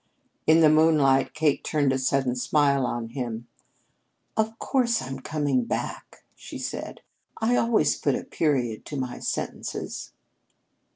In the moonlight Kate turned a sudden smile on him. "Of course I'm coming back," she said. "I always put a period to my sentences."